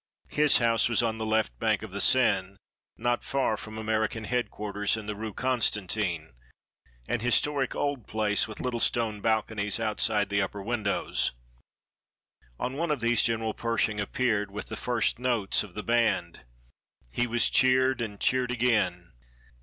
His house was on the left bank of the Seine, not far from American headquarters in the Rue Constantine, an historic old place with little stone balconies outside the upper windows. On one of these General Pershing appeared, with the first notes of the band. He was cheered and cheered again.